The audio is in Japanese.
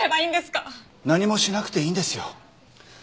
何もしなくていいんですよ。